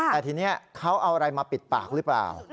แต่ทีนี้เขาเอาอะไรมาปิดปากหรือเปล่า